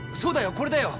これだよ！